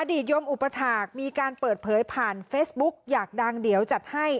ตยมอุปถาคมีการเปิดเผยผ่านเฟซบุ๊กอยากดังเดี๋ยวจัดให้